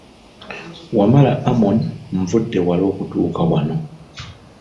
Wamala Amon nvudde wala okutuuka wano.